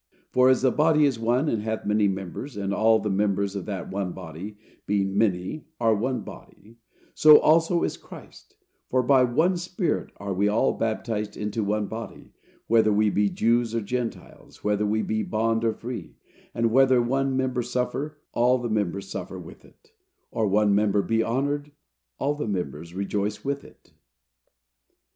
"For, as the body is one, and hath many members, and all the members of that one body, being many, are one body, so also is Christ; for by one Spirit are we all baptized into one body, whether we be Jews or Gentiles, whether we be bond or free; and whether one member suffer, all the members suffer with it, or one member be honored, all the members rejoice with it."